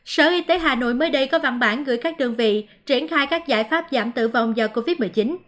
sở y tế hà nội mới đây có văn bản gửi các đơn vị triển khai các giải pháp giảm tử vong do covid một mươi chín